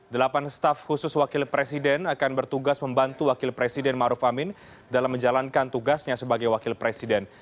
delapan staf khusus wakil presiden akan bertugas membantu wakil presiden maruf amin dalam menjalankan tugasnya sebagai wakil presiden